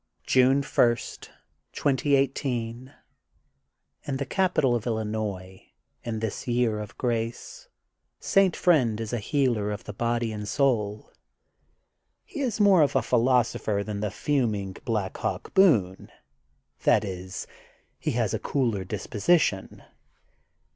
June 1, 2018 :— ^In the capital of Illinois, in this year of grace, St. Friend is a healer of the body and soul. He is more of a philos opher than the fuming Black Hawk Boone, that is, he has a cooler disposition.